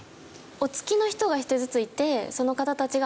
お付きの人が１人ずついてその方たちが預かる。